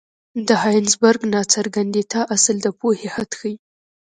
د هایزنبرګ ناڅرګندتیا اصل د پوهې حد ښيي.